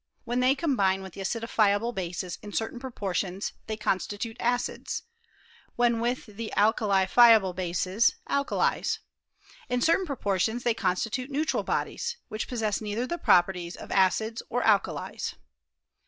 When they combine with the acidifiable bases in certain proportions they constitute acids; when with the alkalifiable bases, alkalies. In certain proportions they constitute neutral bodies, which possess neither the properties of acids nor alkalies.